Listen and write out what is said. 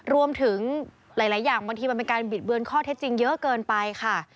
รวมถึงหลายอย่างบางทีมันเป็นการบิดเบือนข้อเท็จจริงเยอะเกินไปค่ะ